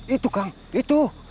itu kang itu